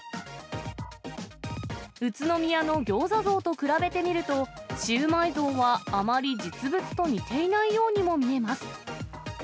宇都宮の餃子像と比べてみると、シウマイ像はあまり実物と似ていないようにも見えます。